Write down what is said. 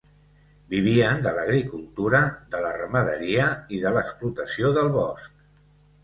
Vivien de l'agricultura, de la ramaderia i de l'explotació del bosc.